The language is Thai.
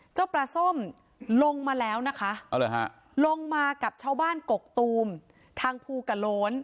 เจ้าปลาส้มลงมาแล้วนะคะลงมากับชาวบ้านกกตูมทางภูกระโล้น